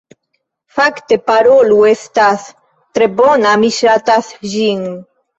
Fakte, Parolu estas tre bona, mi ŝatas ĝin